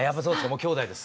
もう兄弟です。